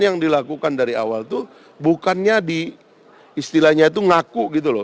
yang dilakukan dari awal itu bukannya di istilahnya itu ngaku gitu loh